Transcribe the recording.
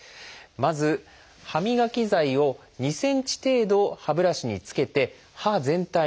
まず歯磨き剤を２ｃｍ程度歯ブラシにつけて歯全体に塗ります。